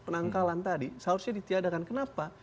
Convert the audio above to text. penangkalan tadi seharusnya ditiadakan kenapa